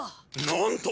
なんと！